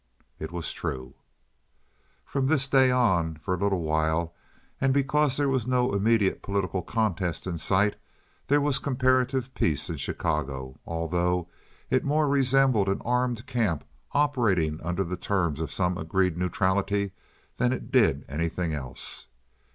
It was true. From this day on for a little while, and because there was no immediate political contest in sight, there was comparative peace in Chicago, although it more resembled an armed camp operating under the terms of some agreed neutrality than it did anything else.